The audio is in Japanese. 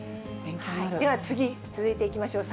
では次、続いていきましょう。